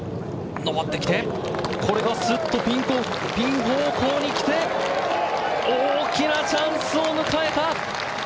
上ってきて、これがスッとピン方向に来て、大きなチャンスを迎えた！